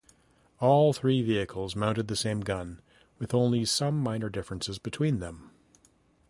All three vehicles mounted the same gun, with only some minor differences between them.